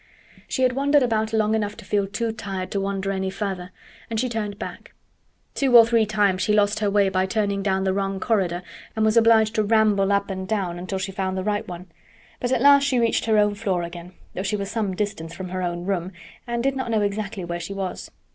She had wandered about long enough to feel too tired to wander any farther, and she turned back. Two or three times she lost her way by turning down the wrong corridor and was obliged to ramble up and down until she found the right one; but at last she reached her own floor again, though she was some distance from her own room and did not know exactly where she was.